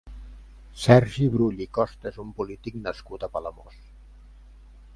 Sergi Brull i Costa és un polític nascut a Palamós.